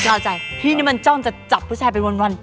เอาใจพี่นี่มันจ้องจะจับผู้ชายไปวน